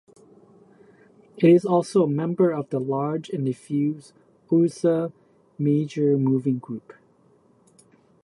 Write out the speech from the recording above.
It is also a member of the large and diffuse Ursa Major moving group.